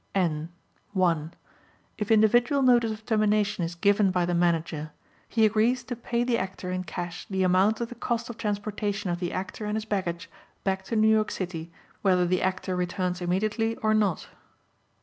(N) (1) If individual notice of termination is given by the Manager he agrees to pay the Actor in cash the amount of the cost of transportation of the Actor and his baggage back to New York City whether the Actor returns immediately or not.